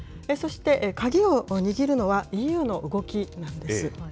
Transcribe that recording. そして、鍵を握るのはＥＵの動きなんです。